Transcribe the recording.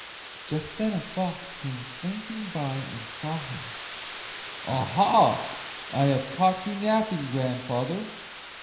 Just then a fox came slinking by and saw him. "Aha! have I caught you napping, grandfather?